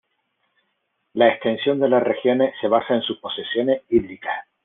La extensión de las regiones se basa en sus posesiones hídricas.